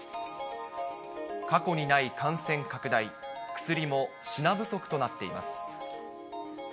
過去にない感染拡大、薬も品不足となっています。